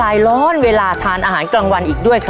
ทางโรงเรียนยังได้จัดซื้อหม้อหุงข้าวขนาด๑๐ลิตร